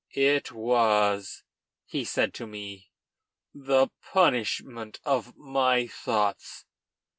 "It was," he said to me, "the punishment of my thoughts."